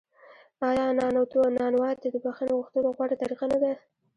آیا نانواتې د بخښنې غوښتلو غوره طریقه نه ده؟